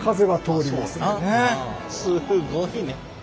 すごいね。